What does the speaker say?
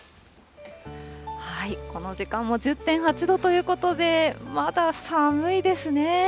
この時間も１０．８度ということで、まだ寒いですね。